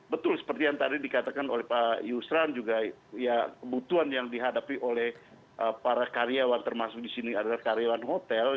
betul seperti yang tadi dikatakan oleh pak yusran juga ya kebutuhan yang dihadapi oleh para karyawan termasuk di sini adalah karyawan hotel